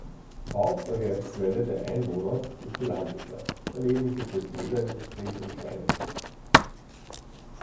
Haupterwerbsquelle der Einwohner ist die Landwirtschaft, daneben gibt es Lederindustrie und Schweinezucht.